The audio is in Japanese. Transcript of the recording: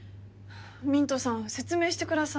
ミントさん説明してください。